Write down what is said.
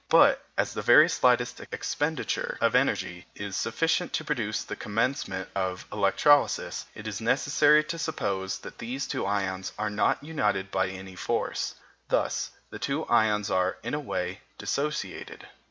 But as the very slightest expenditure of energy is sufficient to produce the commencement of electrolysis, it is necessary to suppose that these two ions are not united by any force. Thus the two ions are, in a way, dissociated.